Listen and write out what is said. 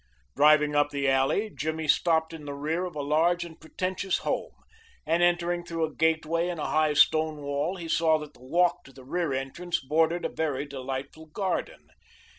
Driving up the alley Jimmy stopped in the rear of a large and pretentious home, and entering through a gateway in a high stone wall he saw that the walk to the rear entrance bordered a very delightful garden.